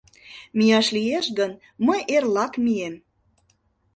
— Мияш лиеш гын, мый эрлак мием.